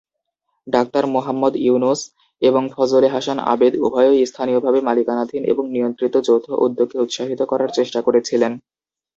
Doctor Muhammad Yunus এবং ফজলে হাসান আবেদ উভয়ই স্থানীয়ভাবে মালিকানাধীন এবং নিয়ন্ত্রিত যৌথ উদ্যোগকে উৎসাহিত করার চেষ্টা করেছিলেন।